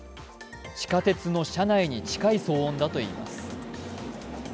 地下鉄の車内に近い騒音だといいます。